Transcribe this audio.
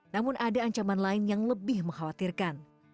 namun ada ancaman lain yang lebih mengkhawatirkan